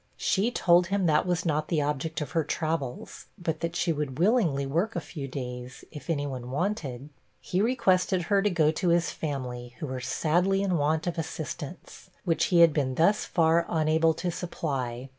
She told him that was not the object of her travels, but that she would willingly work a few days, if any one wanted. He requested her to go to his family, who were sadly in want of assistance, which he had been thus far unable to supply.